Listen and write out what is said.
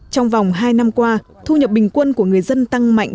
trong vòng hai năm qua thu nhập bình quân của người dân tăng mạnh